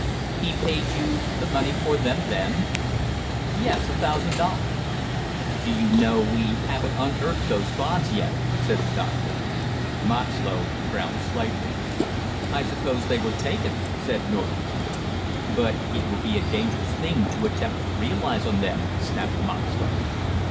"He paid you the money for them?" "Yes, a thousand dollars." "Do you know, we haven't unearthed those bonds yet?" said the doctor. Moxlow frowned slightly. "I suppose they were taken," said North. "But it will be a dangerous thing, to attempt to realize on them," snapped Moxlow.